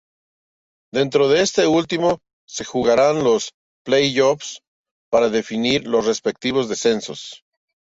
Dentro de este último se jugaran los playoffs para definir los respectivos descenso.